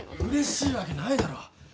うれしいわけないだろ。